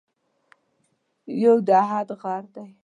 یو د اُحد غر دی.